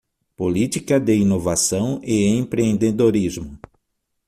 Política de inovação e empreendedorismo